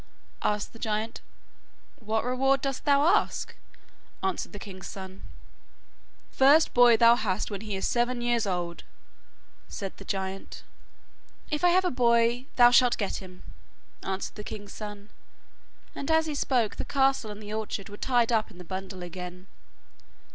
asked the giant. 'What reward dost thou ask?' answered the king's son. 'The first boy thou hast when he is seven years old,' said the giant. 'If I have a boy thou shalt get him,' answered the king's son, and as he spoke the castle and the orchard were tied up in the bundle again.